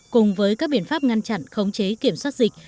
cùng với các biện pháp ngăn chặn khống chế kiểm soát dịch